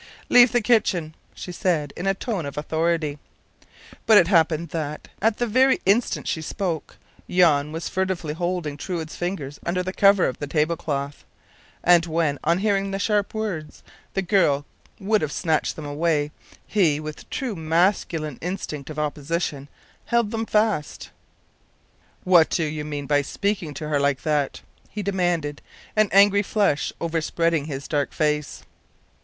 “Leave the kitchen!” she said, in a tone of authority. But it happened that, at the very instant she spoke, Jan was furtively holding Truide’s fingers under the cover of the table cloth; and when, on hearing the sharp words, the girl would have snatched them away, he, with true masculine instinct of opposition, held them fast. “What do you mean by speaking to her like that?” he demanded, an angry flush overspreading his dark face.